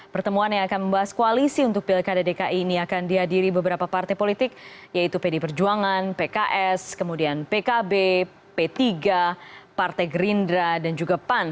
pertemuan yang akan membahas koalisi untuk pilkada dki ini akan dihadiri beberapa partai politik yaitu pd perjuangan pks kemudian pkb p tiga partai gerindra dan juga pan